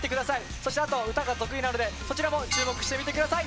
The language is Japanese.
そして、歌が得意なのでそちらも注目してみてください。